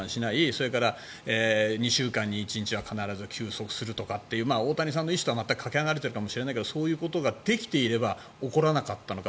それから２週間に１日は必ず休息するとかっていう大谷さんの意思とはかけ離れてるかもしれないけどそういうことができていれば起こらなかったのか。